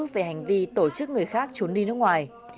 về hành vi tổ chức người khác trốn đi nước ngoài